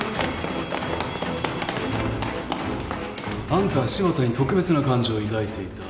あんた柴田に特別な感情を抱いていた。